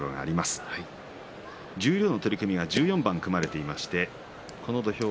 十両の取組は１４番組まれています。